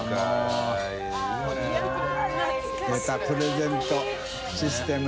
またプレゼントシステム。